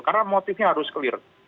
karena motifnya harus clear